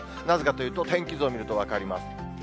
なぜかというと、天気図を見ると分かります。